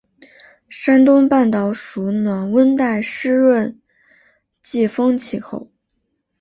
山东半岛属暖温带湿润季风气候。